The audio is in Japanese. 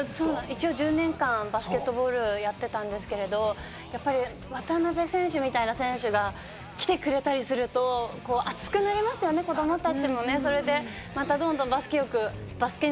一応、１０年間バスケットボールやってたんですけれども、渡邊選手みたいな選手が来てくれたりすると熱くなりますよね、子供たちもね。